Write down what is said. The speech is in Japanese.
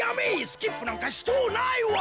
スキップなんかしとうないわ！